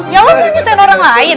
ya allah gue nyusahin orang lain